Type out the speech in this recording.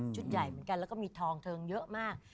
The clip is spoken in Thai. ใหญ่เหมือนกันแล้วก็มีทองเทิงเยอะมาก